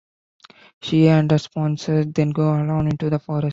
She and her sponsor then go alone into the forest.